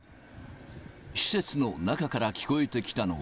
施設の中から聞こえてきたのは。